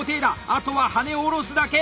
あとは羽根を下ろすだけ！